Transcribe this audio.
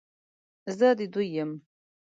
زه د دوی یم،